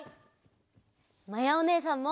まやおねえさんも！